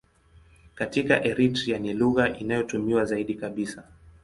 Katika Eritrea ni lugha inayotumiwa zaidi kabisa.